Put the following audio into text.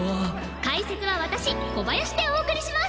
解説は私小林でお送りします。